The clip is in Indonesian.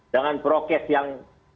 dengan prokes yang